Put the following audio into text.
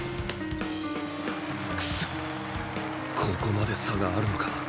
ここまで差があるのか。